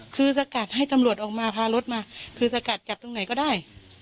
คือสกัดให้ตำรวจออกมาพารถมาคือสกัดจับตรงไหนก็ได้